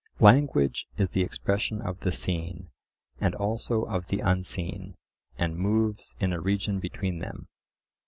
Language is the expression of the seen, and also of the unseen, and moves in a region between them.